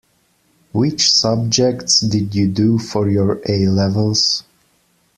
Which subjects did you do for your A-levels?